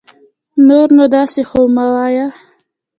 نور نو داسي خو مه وايه